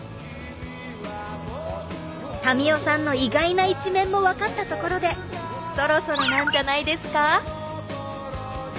民生さんの意外な一面もわかったところでそろそろなんじゃないですか？